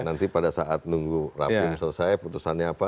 nanti pada saat nunggu rapim selesai putusannya apa